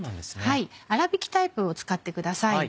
粗びきタイプを使ってください。